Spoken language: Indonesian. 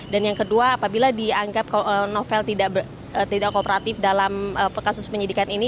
dan yang kedua apabila dianggap novel tidak kooperatif dalam kasus penyidikan ini